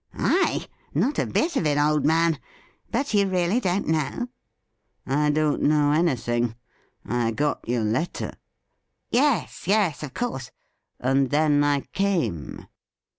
' I ? Not a bit of it, old man. But you really don't know .?'' I don't know anything. I got your letter '' Yes, yes, of course.' ' And then I came.'